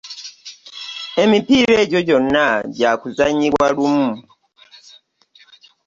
Emipiira egyo gyonna gya kuzannyibwa lumu.